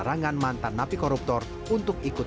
larangan mantan napi koruptor untuk ikut